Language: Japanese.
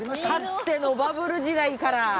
かつてのバブル時代から。